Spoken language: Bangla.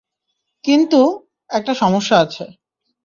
কিন্তু, - একটা সমস্যা আছে।